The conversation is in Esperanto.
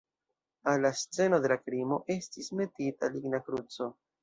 Al la sceno de la krimo estis metita ligna kruco.